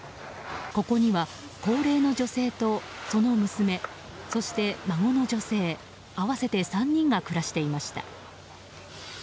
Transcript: ここには、高齢の女性とその娘、そして孫の女性合わせて３人が暮らしていました。